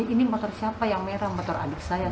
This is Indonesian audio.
ini motor siapa yang merah motor adik saya